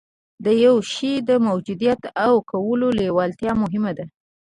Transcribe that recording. د يوه شي د موجوديت او کولو لېوالتيا مهمه ده.